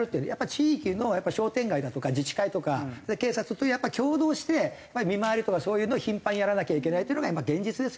地域の商店街だとか自治会とか警察とやっぱ共同して見回りとかそういうのを頻繁にやらなきゃいけないっていうのが今現実ですよ。